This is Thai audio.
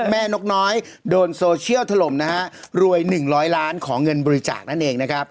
แม่นกน้อยโดนโซเซียลถล่มรวย๑๐๐ล้านขอเงินบริจาค